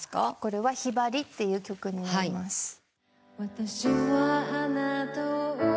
これは『ひばり』っていう曲になります。